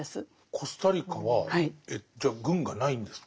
コスタリカはじゃあ軍がないんですか？